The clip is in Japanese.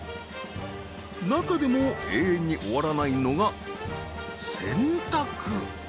中でも永遠に終わらないのが洗濯。